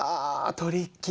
トリッキー？